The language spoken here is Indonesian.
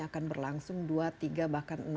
akan berlangsung dua tiga bahkan